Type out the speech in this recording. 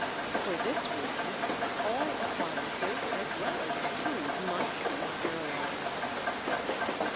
For this reason all appliances, as well as the food, must be sterilized.